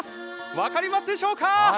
分かりますでしょうか？